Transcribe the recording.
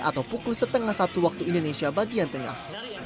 atau pukul setengah satu waktu indonesia bagian tengah